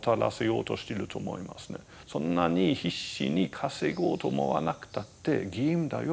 そんなに必死に稼ごうと思わなくたってゲームだよ